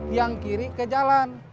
yang kiri ke jalan